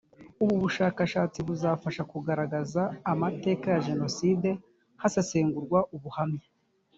ubu bushakashatsi buzafasha kugaragaza amateka ya jenoside hasesengurwa ubuhamya